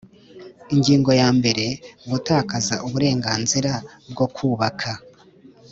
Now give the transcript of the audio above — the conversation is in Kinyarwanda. Ingingo ya mbere Gutakaza uburenganzira bwo kubaka